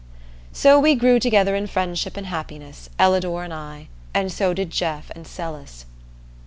So we grew together in friendship and happiness, Ellador and I, and so did Jeff and Celis.